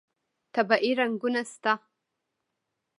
طبیعي رنګونه شته.